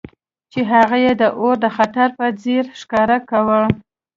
چې هغه یې د اور د خطر په څیر ښکاره کاوه